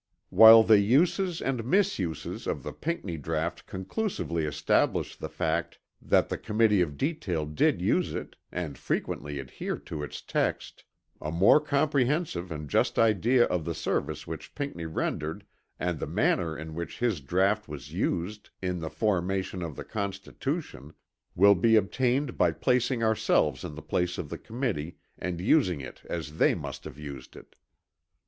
While the uses and misuses of the Pinckney draught conclusively establish the fact that the Committee of Detail did use it and frequently adhere to its text, a more comprehensive and just idea of the service which Pinckney rendered and the manner in which his draught was used in the formation of the Constitution will be obtained by placing ourselves in the place of the Committee and using it as they must have used it.